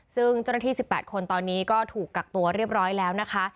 ซึ่งเจ้าหน้าที่๑๘คนตอนนี้ก็ถูกกักตัวเรียบร้อยแล้วนะคะ